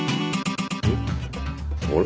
あれ？